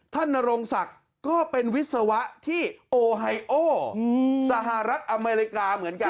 นโรงศักดิ์ก็เป็นวิศวะที่โอไฮโอสหรัฐอเมริกาเหมือนกัน